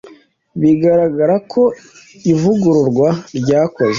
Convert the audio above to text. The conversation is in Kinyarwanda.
Biragaragara ko ivugururwa ryakozwe